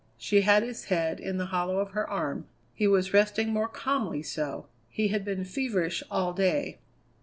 She had his head in the hollow of her arm; he was resting more calmly so. He had been feverish all day.